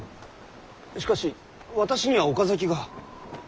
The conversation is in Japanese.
しかし私には岡崎が。